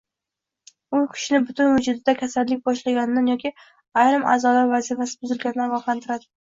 U kishini butun vujudida kasallik boshlaganidan yoki ayrim a’zolar vazifasi buzilganidan ogohlantiradi